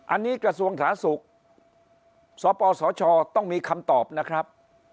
อันนี้กระทรวงสาธารณสุขสปสชต้องมีคำตอบนะครับ